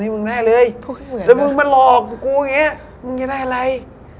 มึงนอนเลยถ้ามึงเมาแล้วมึงนอนเลย